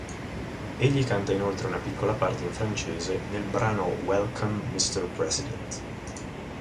Egli canta inoltre una piccola parte in francese nel brano "Welcome Mr. President".